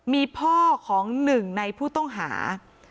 มีพ่อของหนึ่งในผู้ต้องหา